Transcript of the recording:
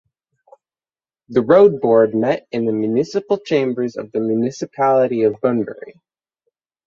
The road board met in the municipal chambers of the Municipality of Bunbury.